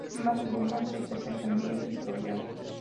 Ambas glumas se presentan bien desarrolladas.